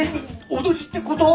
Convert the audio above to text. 脅しってこと！？